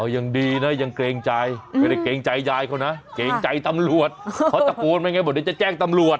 อ้อยังดีนะยังเกรงใจเกรงใจยายเขานะเกรงใจตำรวจเขาตะโกนไงบ่เนี่ยเดี๋ยวจะแจ้งตำรวจ